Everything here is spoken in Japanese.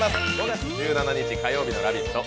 ５月１７日火曜日の「ラヴィット！」